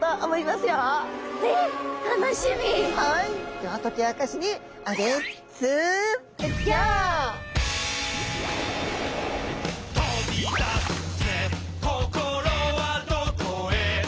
では解き明かしにあっ「飛び出すぜ心はどこへ」